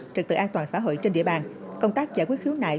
trực tự an toàn xã hội trên địa bàn công tác giải quyết khiếu nại